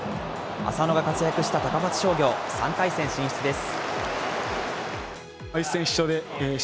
浅野が活躍した高松商業、３回戦進出です。